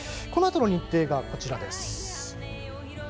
このあとの日程がこちら。